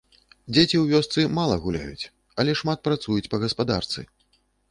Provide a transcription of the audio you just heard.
Дзеці ў вёсцы мала гуляюць, але шмат працуюць па гаспадарцы.